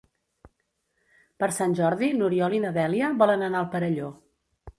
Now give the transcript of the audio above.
Per Sant Jordi n'Oriol i na Dèlia volen anar al Perelló.